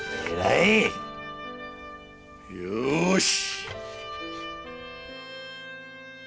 よし！